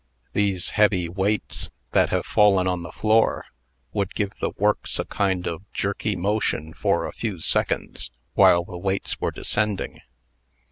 These heavy weights, that have fallen on the floor, would give the works a kind of jerky motion for a few seconds, while the weights were descending.